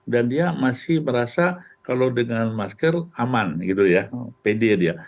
dan dia masih merasa kalau dengan masker aman gitu ya pede dia